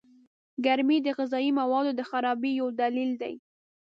گرمي د غذايي موادو د خرابۍ يو دليل دئ.